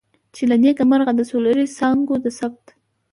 چې له نیکه مرغه د سولري څاګانو د ثبت.